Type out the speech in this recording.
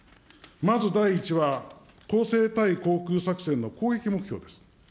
まず第一は、攻勢対航空作戦の攻撃目標です。